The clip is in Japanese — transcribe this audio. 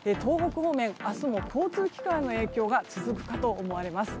方面明日も交通機関への影響は続くかと思われます。